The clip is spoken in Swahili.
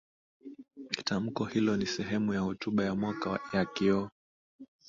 tamko hilo ni sehemu ya hotuba ya mwaka ya kio